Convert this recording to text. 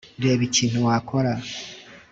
reba ikintu wakora